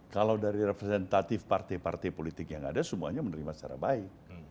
kalau dari representatif partai partai politik yang ada semuanya menerima secara baik